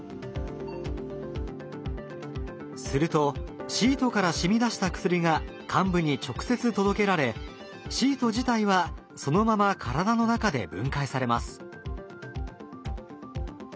するとシートから染み出した薬が患部に直接届けられシート自体はそのまま体の中で分解されます。